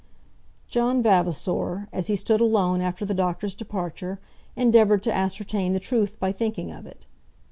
John Vavasor, as he stood alone after the doctor's departure, endeavoured to ascertain the truth by thinking of it.